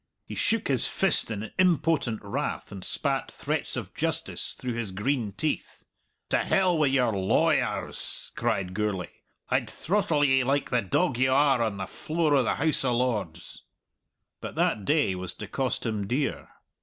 He shook his fist in impotent wrath, and spat threats of justice through his green teeth. "To hell wi' your law wers!" cried Gourlay. "I'd throttle ye like the dog you are on the floor o' the House o' Lords." But that day was to cost him dear.